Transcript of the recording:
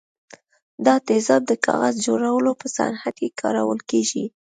دا تیزاب د کاغذ جوړولو په صنعت کې کارول کیږي.